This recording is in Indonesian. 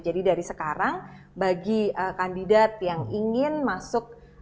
jadi dari sekarang bagi kandidat yang ingin masuk ke bank indonesia